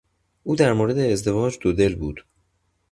او در مورد ازدواج دو دل بود.